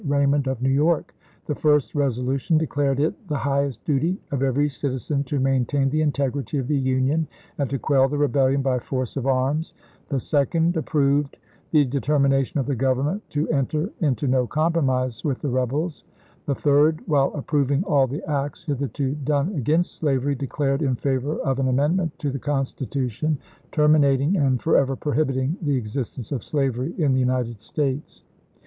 Raymond of June 8, ism. New York. The first resolution declared it the high est duty of every citizen to maintain the integrity of the Union and to quell the Rebellion by force of arms; the second approved the determination of the Government to enter into no compromise with the rebels ; the third, while approving all the acts hitherto done against slavery, declared in favor of an amendment to the Constitution, terminating and forever prohibiting the existence of slavery in the United States.